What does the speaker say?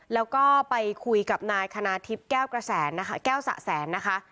แล้วก็ไปคุยกับนายคณาทิพย์แก้วกระแสนะคะแก้วสะแสนนะคะ